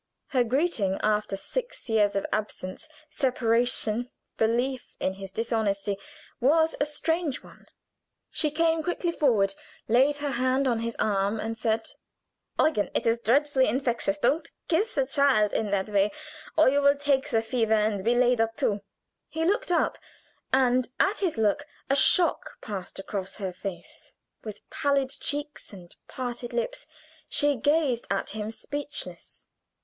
Her greeting after six years of absence, separation, belief in his dishonesty, was a strange one. She came quickly forward, laid her hand on his arm, and said: "Eugen, it is dreadfully infectious! Don't kiss the child in that way, or you will take the fever and be laid up too." He looked up, and at his look a shock passed across her face; with pallid cheeks and parted lips she gazed at him speechless.